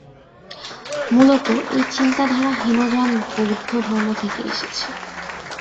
মূলতঃ এই চিন্তাধারা হীনযান বৌদ্ধধর্ম থেকে এসেছে।